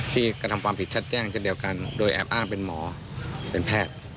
กระทำความผิดชัดแจ้งเช่นเดียวกันโดยแอบอ้างเป็นหมอเป็นแพทย์